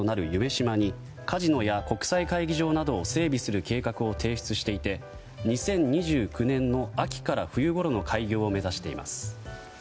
洲にカジノや国際会議場などを整備する計画を提出していて２０２９年の秋から冬ごろの開業を目指しています。